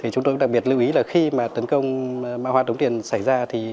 chúng tôi đặc biệt lưu ý là khi tấn công mã hóa tống tiền xảy ra